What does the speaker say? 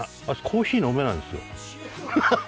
あいつコーヒー飲めないんですよ。